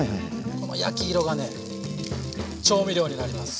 この焼き色がね調味料になります。